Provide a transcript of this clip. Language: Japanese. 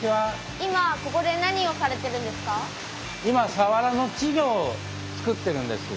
今ここで何をされてるんですか？